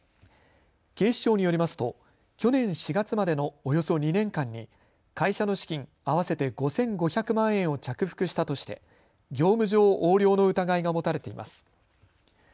警視庁によりますと去年４月までのおよそ２年間に会社の資金合わせて５５００万円を着服したとして業務上横領の疑いが持たれています。